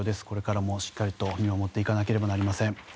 これからもしっかりと見守っていかなければいけません